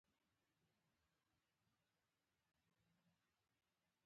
وطن زموږ د تاریخ او فرهنګ ځای دی.